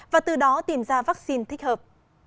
và từ đó tìm ra vaccine thích hợp